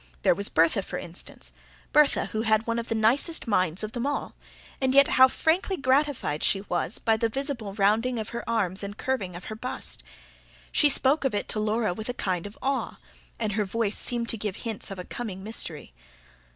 There was Bertha, for instance, Bertha who had one of the nicest minds of them all; and yet how frankly gratified she was, by the visible rounding of her arms and the curving of her bust. She spoke of it to Laura with a kind of awe; and her voice seemed to give hints of a coming mystery.